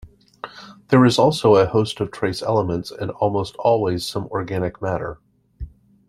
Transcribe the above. There is also a host of trace elements and almost always some organic matter.